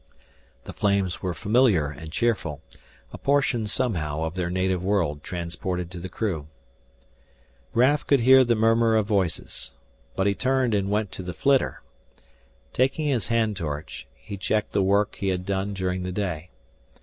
The flames were familiar and cheerful, a portion, somehow, of their native world transported to the new. Raf could hear the murmur of voices. But he turned and went to the flitter. Taking his hand torch, he checked the work he had done during the day.